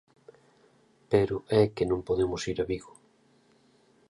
Pero é que non podemos ir a Vigo.